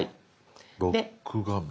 「ロック画面」。